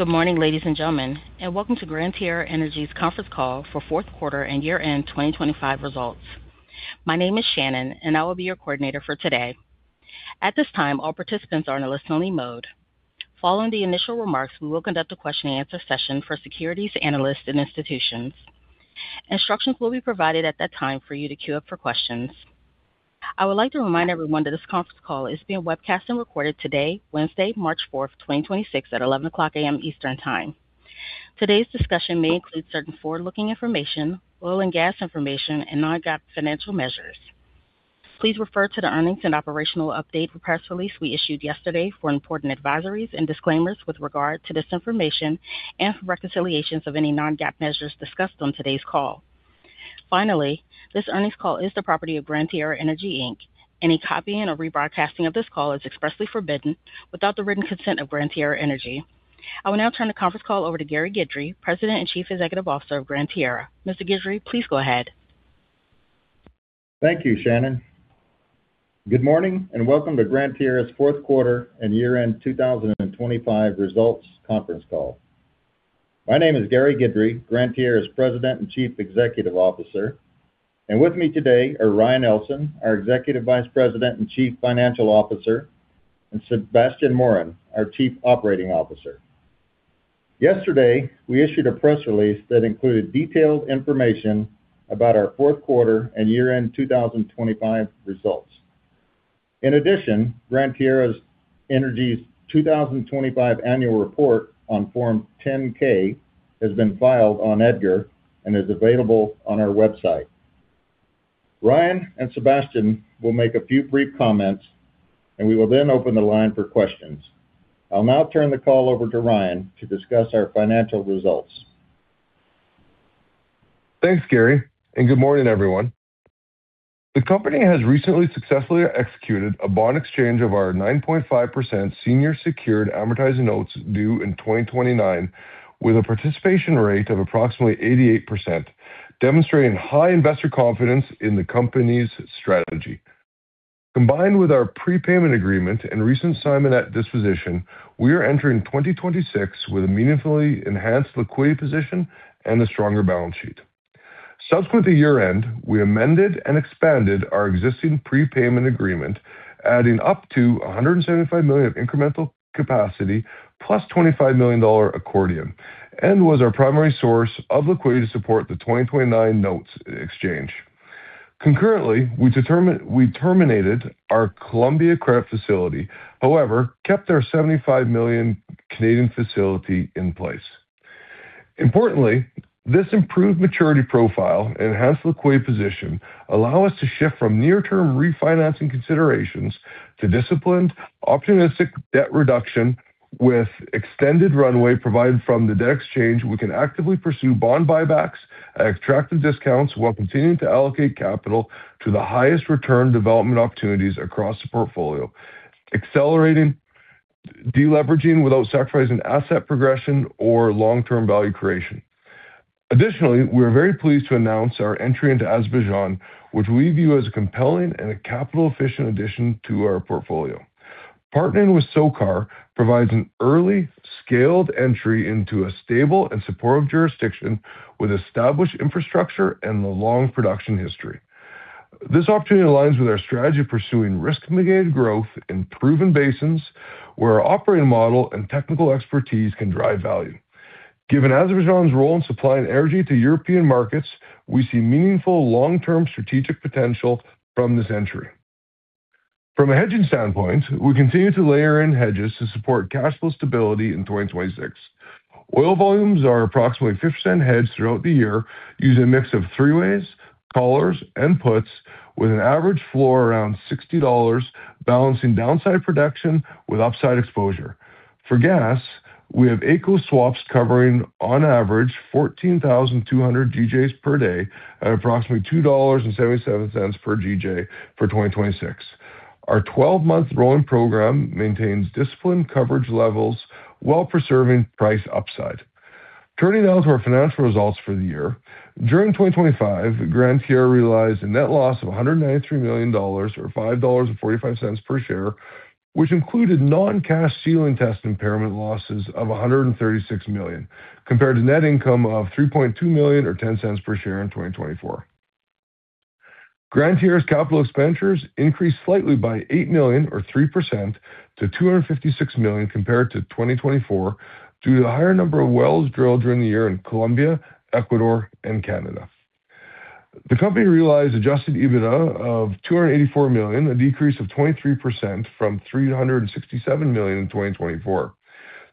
Good morning, ladies and gentlemen, and welcome to Gran Tierra Energy's conference call for fourth quarter and year-end 2025 results. My name is Shannon, and I will be your coordinator for today. At this time, all participants are in a listen-only mode. Following the initial remarks, we will conduct a question-and-answer session for securities analysts and institutions. Instructions will be provided at that time for you to queue up for questions. I would like to remind everyone that this conference call is being webcast and recorded today, Wednesday, March 4th, 2026, at 11:00 A.M. Eastern Time. Today's discussion may include certain forward-looking information, oil and gas information, and non-GAAP financial measures. Please refer to the earnings and operational update press release we issued yesterday for important advisories and disclaimers with regard to this information and for reconciliations of any non-GAAP measures discussed on today's call. This earnings call is the property of Gran Tierra Energy Inc. Any copying or rebroadcasting of this call is expressly forbidden without the written consent of Gran Tierra Energy. I will now turn the conference call over to Gary Guidry, President and Chief Executive Officer of Gran Tierra. Mr. Guidry, please go ahead. Thank you, Shannon. Good morning, and welcome to Gran Tierra's fourth quarter and year-end 2025 results conference call. My name is Gary Guidry, Gran Tierra's President and Chief Executive Officer, and with me today are Ryan Ellson, our Executive Vice President and Chief Financial Officer, and Sebastien Morin, our Chief Operating Officer. Yesterday, we issued a press release that included detailed information about our fourth quarter and year-end 2025 results. In addition, Gran Tierra Energy's 2025 annual report on Form 10-K has been filed on EDGAR and is available on our website. Ryan and Sebastien will make a few brief comments, and we will then open the line for questions. I'll now turn the call over to Ryan to discuss our financial results. Thanks, Gary, and good morning, everyone. The company has recently successfully executed a bond exchange of our 9.5% Senior Secured Amortizing Notes due in 2029, with a participation rate of approximately 88%, demonstrating high investor confidence in the company's strategy. Combined with our prepayment agreement and recent Simonette disposition, we are entering 2026 with a meaningfully enhanced liquidity position and a stronger balance sheet. Subsequent to year-end, we amended and expanded our existing prepayment agreement, adding up to $175 million of incremental capacity +$25 million accordion and was our primary source of liquidity to support the 2029 notes exchange. Concurrently, we terminated our Colombia credit facility. However, kept our 75 million facility in place. Importantly, this improved maturity profile and enhanced liquidity position allow us to shift from near-term refinancing considerations to disciplined, opportunistic debt reduction with extended runway provided from the debt exchange. We can actively pursue bond buybacks at attractive discounts while continuing to allocate capital to the highest return development opportunities across the portfolio, accelerating de-leveraging without sacrificing asset progression or long-term value creation. Additionally, we are very pleased to announce our entry into Azerbaijan, which we view as a compelling and a capital-efficient addition to our portfolio. Partnering with SOCAR provides an early scaled entry into a stable and supportive jurisdiction with established infrastructure and a long production history. This opportunity aligns with our strategy of pursuing risk-mitigated growth in proven basins where our operating model and technical expertise can drive value. Given Azerbaijan's role in supplying energy to European markets, we see meaningful long-term strategic potential from this entry. From a hedging standpoint, we continue to layer in hedges to support cash flow stability in 2026. Oil volumes are approximately 50% hedged throughout the year using a mix of three-ways, collars, and puts with an average floor around $60, balancing downside protection with upside exposure. For gas, we have AECO swaps covering on average 14,200 GJ per day at approximately $2.77 per GJ for 2026. Our 12-month rolling program maintains disciplined coverage levels while preserving price upside. Turning now to our financial results for the year. During 2025, Gran Tierra realized a net loss of $193 million, or $5.45 per share, which included non-cash ceiling test impairment losses of $136 million, compared to net income of $3.2 million or $0.10 per share in 2024. Gran Tierra's capital expenditures increased slightly by $8 million or 3% to $256 million compared to 2024 due to the higher number of wells drilled during the year in Colombia, Ecuador, and Canada. The company realized Adjusted EBITDA of $284 million, a decrease of 23% from $367 million in 2024.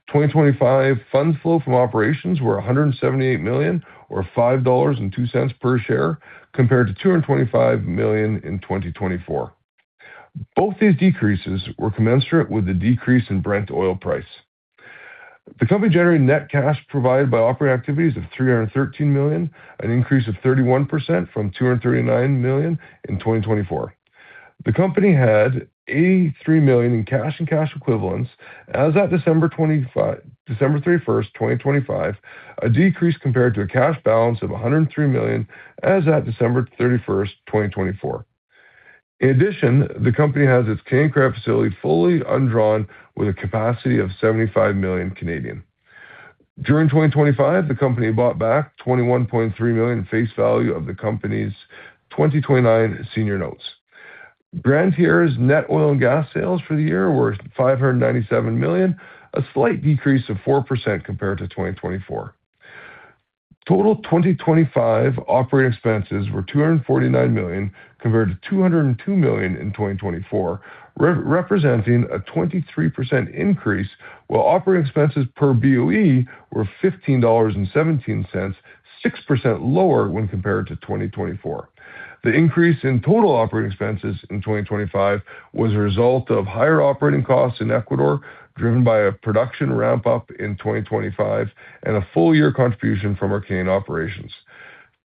2025 funds flow from operations were $178 million or $5.02 per share, compared to $225 million in 2024. Both these decreases were commensurate with the decrease in Brent oil price. The company generated net cash provided by operating activities of $313 million, an increase of 31% from $239 million in 2024. The company had $83 million in cash and cash equivalents as at December 31, 2025, a decrease compared to a cash balance of $103 million as at December 31, 2024. In addition, the company has its Can-Can facility fully undrawn with a capacity of 75 million. During 2025, the company bought back $21.3 million face value of the company's 2029 Senior Notes. Gran Tierra's net oil and gas sales for the year were $597 million, a slight decrease of 4% compared to 2024. Total 2025 operating expenses were $249 million, compared to $202 million in 2024, representing a 23% increase, while operating expenses per BOE were $15.17, 6% lower when compared to 2024. The increase in total operating expenses in 2025 was a result of higher operating costs in Ecuador, driven by a production ramp up in 2025 and a full year contribution from our Can-Can operations.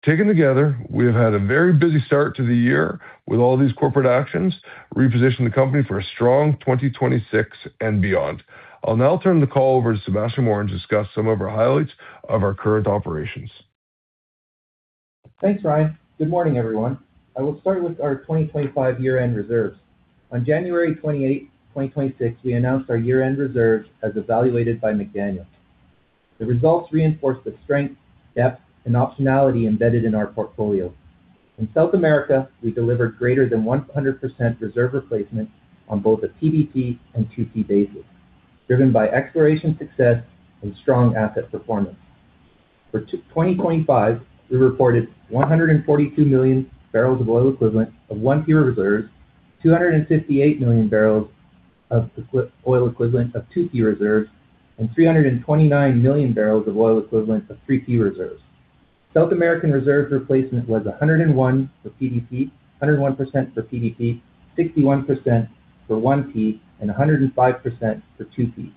Taken together, we have had a very busy start to the year with all these corporate actions, reposition the company for a strong 2026 and beyond. I'll now turn the call over to Sebastien Morin and discuss some of our highlights of our current operations. Thanks, Ryan. Good morning, everyone. I will start with our 2025 year-end reserves. On January 28, 2026, we announced our year-end reserves as evaluated by McDaniel. The results reinforce the strength, depth, and optionality embedded in our portfolio. In South America, we delivered greater than 100% reserve replacement on both a PDP and 2P basis, driven by exploration success and strong asset performance. For 2025, we reported 142 million barrels of oil equivalent of 1P reserves, 258 million barrels of oil equivalent of 2P reserves, and 329 million barrels of oil equivalent of 3P reserves. South American reserves replacement was 101% for PDP, 61% for 1P, and 105% for 2P.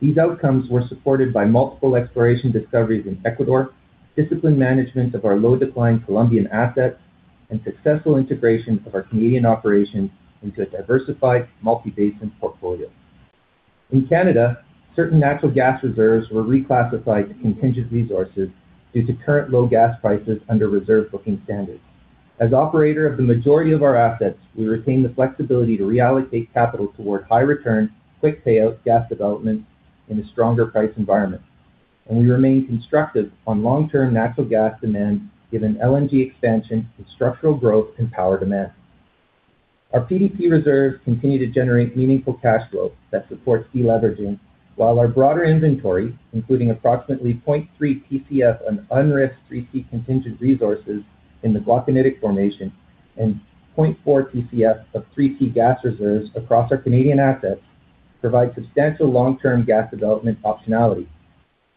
These outcomes were supported by multiple exploration discoveries in Ecuador, disciplined management of our low decline Colombian assets, and successful integration of our Canadian operations into a diversified multi basin portfolio. In Canada, certain natural gas reserves were reclassified to contingent resources due to current low gas prices under reserve booking standards. As operator of the majority of our assets, we retain the flexibility to reallocate capital toward high return, quick payout gas development in a stronger price environment, and we remain constructive on long-term natural gas demand given LNG expansion and structural growth in power demand. Our PDP reserves continue to generate meaningful cash flow that supports deleveraging, while our broader inventory, including approximately 0.3 TCF on unrisked 3P contingent resources in the Glauconitic formation and 0.4 TCF of 3P gas reserves across our Canadian assets, provide substantial long-term gas development optionality.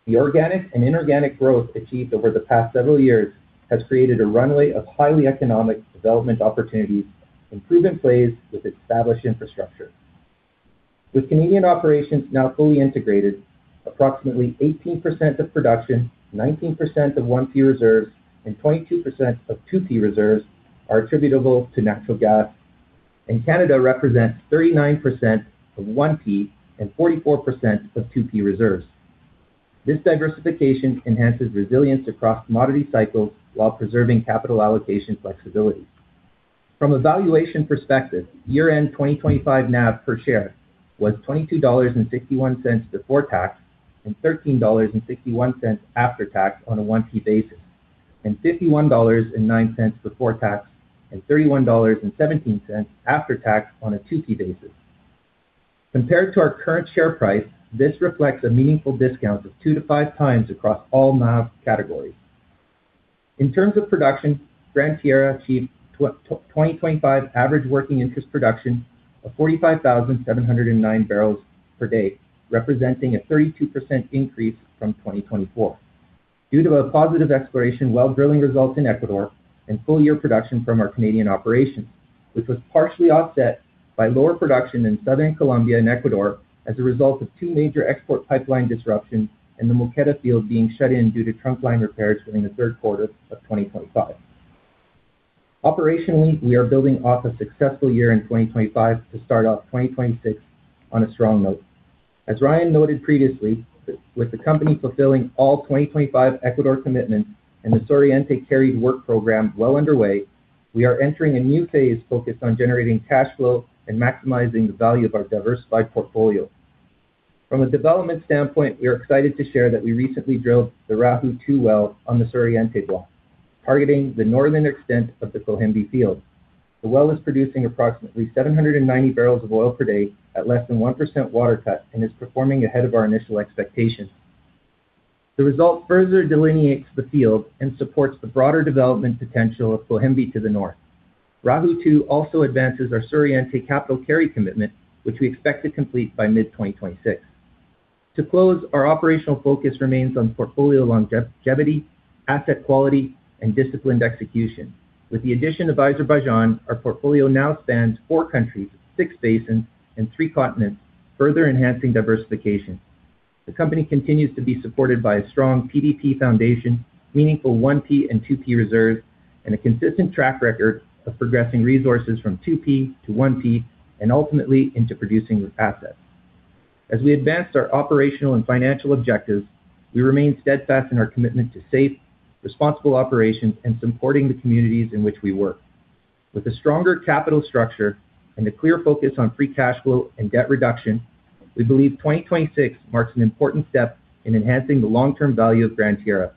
The organic and inorganic growth achieved over the past several years has created a runway of highly economic development opportunities in proven plays with established infrastructure. With Canadian operations now fully integrated, approximately 18% of production, 19% of 1P reserves, and 22% of 2P reserves are attributable to natural gas, and Canada represents 39% of 1P and 44% of 2P reserves. This diversification enhances resilience across commodity cycles while preserving capital allocation flexibility. From a valuation perspective, year-end 2025 NAV per share was $22.61 before tax, and $13.61 after tax on a 1P basis, and $51.09 before tax, and $31.17 after tax on a 2P basis. Compared to our current share price, this reflects a meaningful discount of 2x to 5x across all NAV categories. In terms of production, Gran Tierra achieved 2025 average working interest production of 45,709 barrels per day, representing a 32% increase from 2024. Due to a positive exploration, well drilling results in Ecuador and full year production from our Canadian operations, which was partially offset by lower production in Southern Colombia and Ecuador as a result of two major export pipeline disruptions in the Moqueta field being shut in due to trunkline repairs during the third quarter of 2025. Operationally, we are building off a successful year in 2025 to start off 2026 on a strong note. As Ryan noted previously, with the company fulfilling all 2025 Ecuador commitments and the Suroriente carried work program well underway, we are entering a new phase focused on generating cash flow and maximizing the value of our diversified portfolio. From a development standpoint, we are excited to share that we recently drilled the Raju-2 well on the Suroriente Block, targeting the northern extent of the Cohembi field. The well is producing approximately 790 barrels of oil per day at less than 1% water cut and is performing ahead of our initial expectations. The result further delineates the field and supports the broader development potential of Cohembi to the north. Raju-2 also advances our Suroriente capital carry commitment, which we expect to complete by mid-2026. To close, our operational focus remains on portfolio longevity, asset quality, and disciplined execution. With the addition of Azerbaijan, our portfolio now spans four countries, six basins, and three continents, further enhancing diversification. The company continues to be supported by a strong PDP foundation, meaningful 1P and 2P reserves, and a consistent track record of progressing resources from 2P to 1P and ultimately into producing with assets. As we advance our operational and financial objectives, we remain steadfast in our commitment to safe, responsible operations and supporting the communities in which we work. With a stronger capital structure and a clear focus on Free Cash Flow and debt reduction, we believe 2026 marks an important step in enhancing the long-term value of Gran Tierra.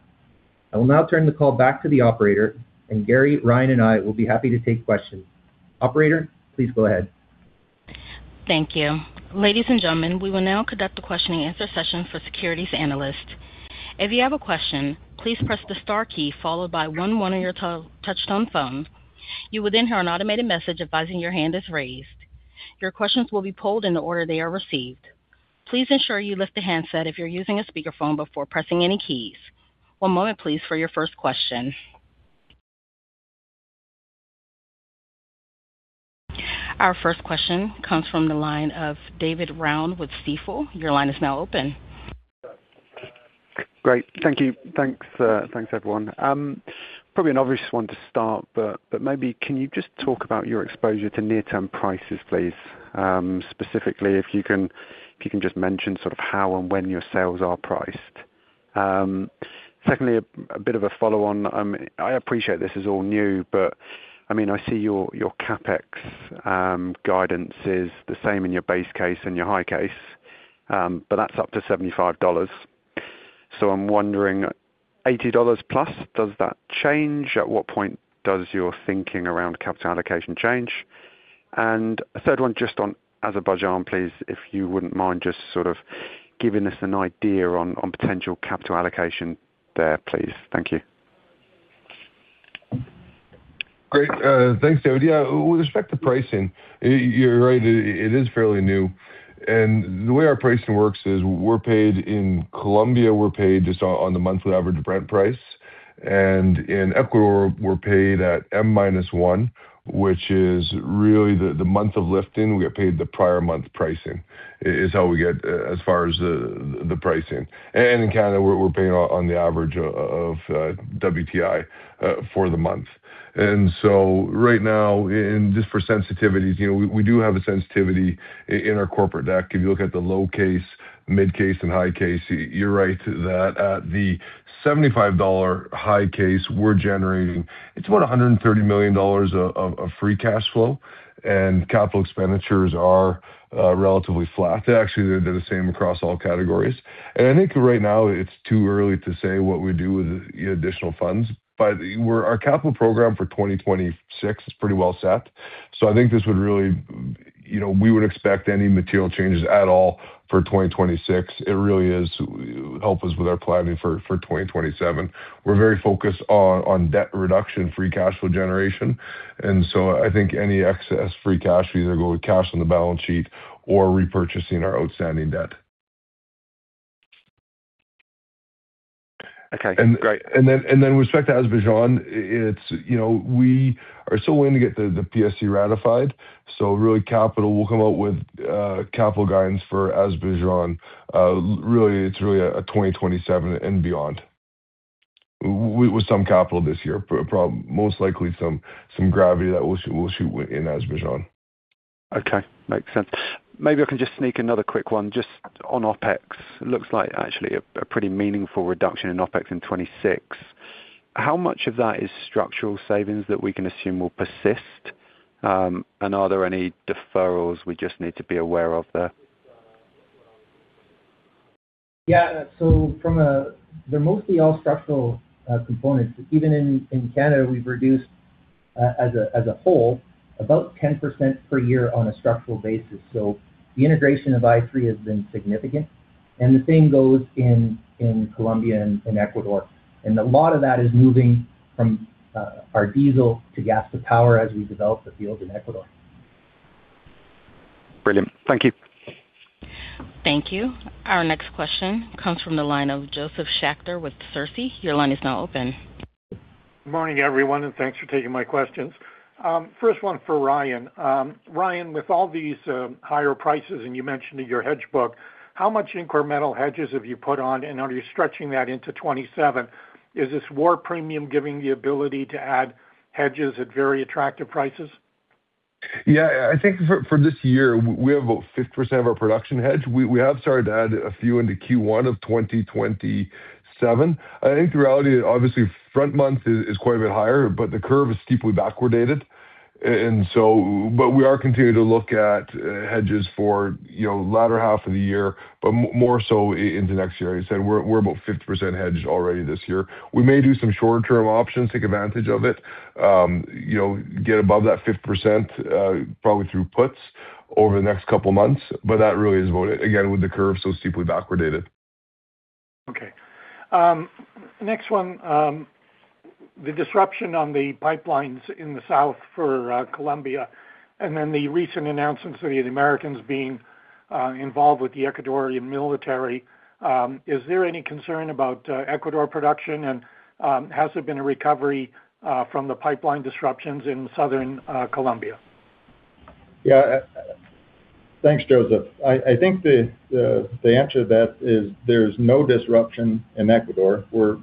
I will now turn the call back to the operator, and Gary, Ryan, and I will be happy to take questions. Operator, please go ahead. Thank you. Ladies and gentlemen, we will now conduct a question-and-answer session for securities analysts. If you have a question, please press the star key followed by one one on your Touch-Tone phone. You will then hear an automated message advising your hand is raised. Your questions will be pulled in the order they are received. Please ensure you lift the handset if you're using a speakerphone before pressing any keys. One moment please for your first question. Our first question comes from the line of David Round with Stifel. Your line is now open. Great. Thank you. Thanks, everyone. Probably an obvious one to start, but maybe can you just talk about your exposure to near-term prices, please? Specifically, if you can just mention sort of how and when your sales are priced. Secondly, a bit of a follow-on. I appreciate this is all new, but I mean, I see your CapEx guidance is the same in your base case and your high case, but that's up to $75. I'm wondering $80+, does that change? At what point does your thinking around capital allocation change? A third one just on Azerbaijan, please, if you wouldn't mind just sort of giving us an idea on potential capital allocation there, please. Thank you. Great. Thanks, David. With respect to pricing, you're right. It is fairly new. The way our pricing works is we're paid. In Colombia, we're paid just on the monthly average Brent price. In Ecuador, we're paid at M minus one, which is really the month of lifting, we get paid the prior month pricing, is how we get as far as the pricing. In Canada, we're paying on the average of WTI for the month. Right now, just for sensitivities, you know, we do have a sensitivity in our corporate deck. If you look at the low case, mid case and high case, you're right that at the $75 high case we're generating, it's about $130 million of Free Cash Flow, and capital expenditures are relatively flat. Actually, they're the same across all categories. I think right now it's too early to say what we do with the additional funds. Our capital program for 2026 is pretty well set, so I think this would really. You know, we wouldn't expect any material changes at all for 2026. It really is help us with our planning for 2027. We're very focused on debt reduction, Free Cash Flow generation, I think any excess free cash will either go with cash on the balance sheet or repurchasing our outstanding debt. Okay, great. With respect to Azerbaijan, it's, you know, we are still waiting to get the PSC ratified. Really, capital we'll come out with capital guidance for Azerbaijan. Really, it's really 2027 and beyond. With some capital this year, probably most likely some gravity that we'll see in Azerbaijan. Okay. Makes sense. Maybe I can just sneak another quick one just on OpEx. It looks like actually a pretty meaningful reduction in OpEx in 2026. How much of that is structural savings that we can assume will persist? Are there any deferrals we just need to be aware of there? Yeah. They're mostly all structural components. Even in Canada, we've reduced as a whole about 10% per year on a structural basis. The integration of i3 has been significant and the same goes in Colombia and in Ecuador. A lot of that is moving from our diesel to gas to power as we develop the field in Ecuador. Brilliant. Thank you. Thank you. Our next question comes from the line of Josef Schachter with Schachter Energy Research. Your line is now open. Good morning, everyone, and thanks for taking my questions. first one for Ryan. Ryan, with all these, higher prices, and you mentioned in your hedge book, how much incremental hedges have you put on, and are you stretching that into 2027? Is this war premium giving the ability to add hedges at very attractive prices? Yeah. I think for this year, we have about 50% of our production hedged. We have started to add a few into Q1 of 2027. I think the reality, obviously, front month is quite a bit higher, but the curve is steeply backwardated. We are continuing to look at hedges for, you know, latter half of the year, but more so into next year. As I said, we're about 50% hedged already this year. We may do some shorter-term options, take advantage of it, you know, get above that 50%, probably through puts over the next couple of months, but that really is about it. Again, with the curve so steeply backwardated. Okay. Next one. The disruption on the pipelines in the south for Colombia and then the recent announcements of the Americans being involved with the Ecuadorian military, is there any concern about Ecuador production and has there been a recovery from the pipeline disruptions in southern Colombia? Yeah. Thanks, Josef. I think the answer to that is there's no disruption in Ecuador. We're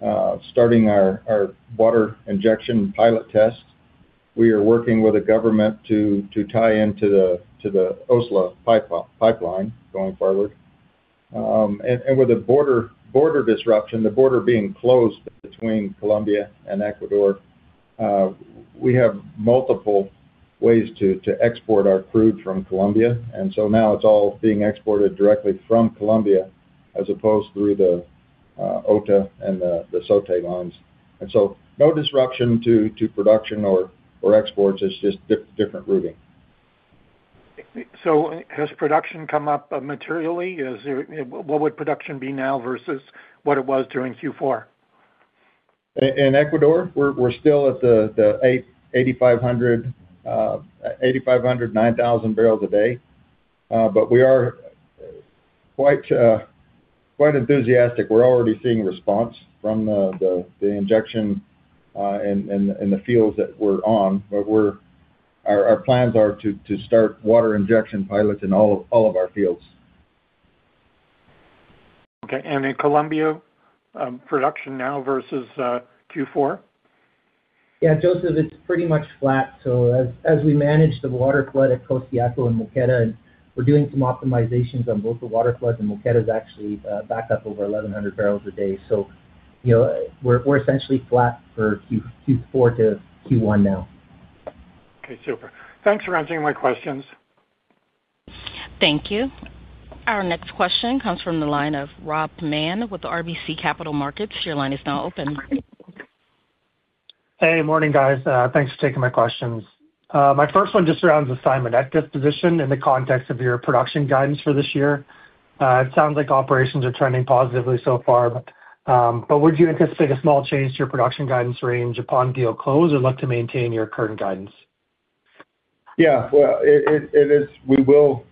currently starting our water injection pilot test. We are working with the government to tie into the OSO pipeline going forward. With the border disruption, the border being closed between Colombia and Ecuador, we have multiple ways to export our crude from Colombia. Now it's all being exported directly from Colombia as opposed through the OTA and the SOTE lines. No disruption to production or exports. It's just different routing. Has production come up, materially? What would production be now versus what it was during Q4? In Ecuador, we're still at the 8,500, 9,000 barrels a day. We are quite enthusiastic. We're already seeing response from the injection in the fields that we're on. Our plans are to start water injection pilots in all of our fields. Okay. In Colombia, production now versus Q4? Yeah, Josef, it's pretty much flat. As we manage the waterflood at Costayaco and Moqueta, we're doing some optimizations on both the waterfloods, Moqueta is actually back up over 1,100 barrels a day. You know, we're essentially flat for Q4 to Q1 now. Okay, super. Thanks for answering my questions. Thank you. Our next question comes from the line of Rob Mann with RBC Capital Markets. Your line is now open. Hey, morning, guys. Thanks for taking my questions. My first one just surrounds asset disposition in the context of your production guidance for this year. It sounds like operations are trending positively so far. Would you anticipate a small change to your production guidance range upon deal close, or look to maintain your current guidance? Yeah. Well, it is. We will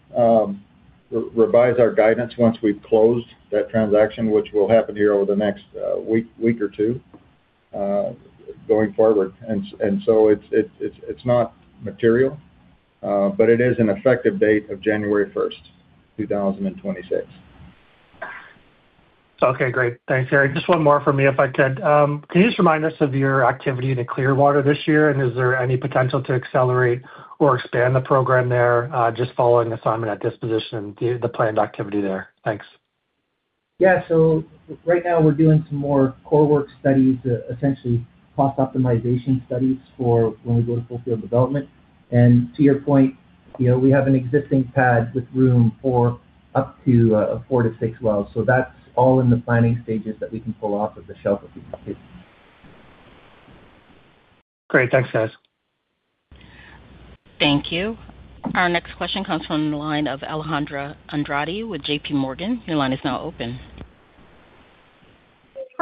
revise our guidance once we've closed that transaction, which will happen here over the next week or two going forward. It's not material, but it is an effective date of January 1, 2026. Okay, great. Thanks, Gary. Just one more from me, if I could. Can you just remind us of your activity into Clearwater this year? Is there any potential to accelerate or expand the program there, just following asset disposition, the planned activity there? Thanks. Yeah. Right now we're doing some more core work studies to essentially cross-optimization studies for when we go to full field development. To your point, you know, we have an existing pad with room for up to four to six wells. That's all in the planning stages that we can pull off of the shelf if we need to. Great. Thanks, guys. Thank you. Our next question comes from the line of Alejandra Andrade with J.P. Morgan. Your line is now open.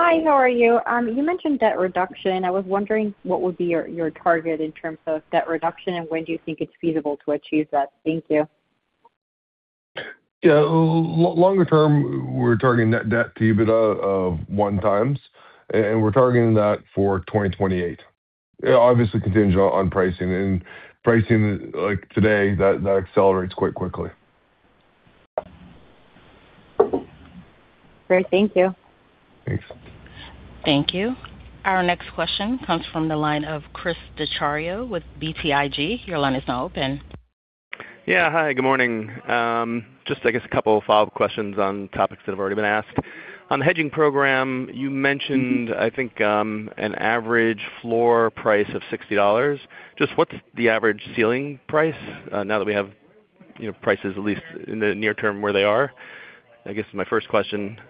Hi, how are you? You mentioned debt reduction. I was wondering what would be your target in terms of debt reduction, when do you think it's feasible to achieve that? Thank you. Yeah. Longer term, we're targeting net debt to EBITDA of 1x, we're targeting that for 2028. Obviously contingent on pricing. Pricing like today, that accelerates quite quickly. Great. Thank you. Thanks. Thank you. Our next question comes from the line of Chris Dechiario with BTIG. Your line is now open. Yeah. Hi, good morning. Just I guess a couple of follow-up questions on topics that have already been asked. On the hedging program, you mentioned, I think, an average floor price of $60. Just what's the average ceiling price, now that we have, you know, prices at least in the near term where they are? I guess is my first question. Yeah.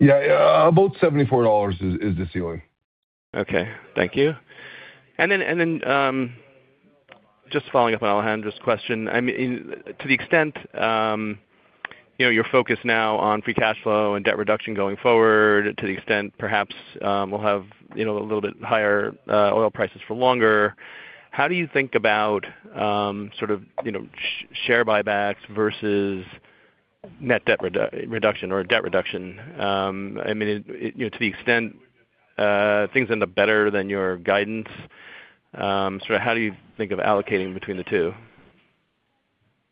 Yeah. About $74 is the ceiling. Okay. Thank you. Then, just following up on Alejandra's question. I mean, to the extent, you know, you're focused now on Free Cash Flow and debt reduction going forward, to the extent perhaps, we'll have, you know, a little bit higher oil prices for longer. How do you think about, sort of, you know, share buybacks versus net debt reduction or debt reduction? I mean, you know, to the extent things end up better than your guidance, sort of how do you think of allocating between the two?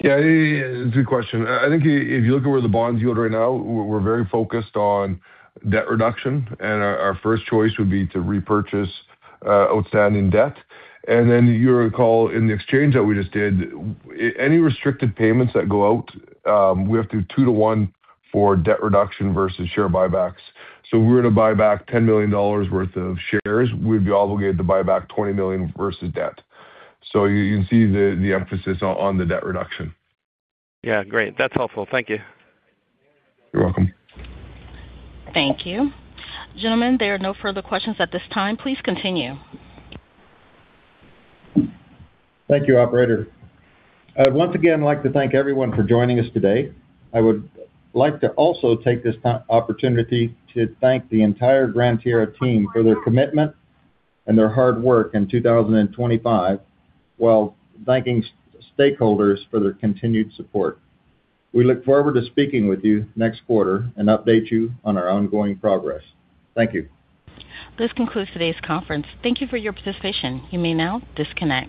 It's a good question. I think if you look at where the bonds yield right now, we're very focused on debt reduction, and our first choice would be to repurchase outstanding debt. Then you'll recall in the exchange that we just did, any restricted payments that go out, we have to do 2 to 1 for debt reduction versus share buybacks. If we were to buy back $10 million worth of shares, we'd be obligated to buy back $20 million versus debt. You can see the emphasis on the debt reduction. Yeah, great. That's helpful. Thank you. You're welcome. Thank you. Gentlemen, there are no further questions at this time. Please continue. Thank you, operator. Once again, I'd like to thank everyone for joining us today. I would like to also take this opportunity to thank the entire Gran Tierra team for their commitment and their hard work in 2025, while thanking stakeholders for their continued support. We look forward to speaking with you next quarter and update you on our ongoing progress. Thank you. This concludes today's conference. Thank you for your participation. You may now disconnect.